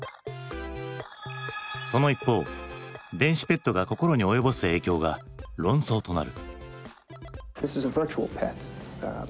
その一方電子ペットが心に及ぼす影響が論争となる。